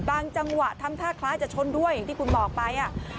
จังหวะทำท่าคล้ายจะชนด้วยอย่างที่คุณบอกไป